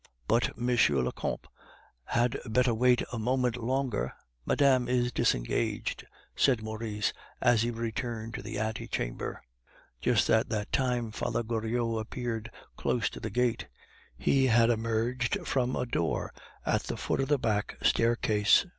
"But M. le Comte had better wait a moment longer; madame is disengaged," said Maurice, as he returned to the ante chamber. Just at that moment Father Goriot appeared close to the gate; he had emerged from a door at the foot of the back staircase.